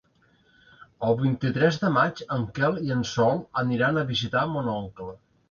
El vint-i-tres de maig en Quel i en Sol aniran a visitar mon oncle.